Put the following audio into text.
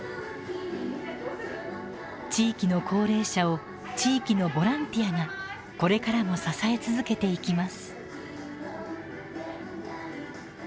地域の高齢者を地域のボランティアがこれからも支え続けていきます。